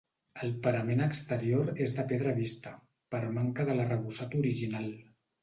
El parament exterior és de pedra vista, per manca de l'arrebossat original.